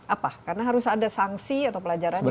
apa karena harus ada sanksi atau pelajaran yang keluar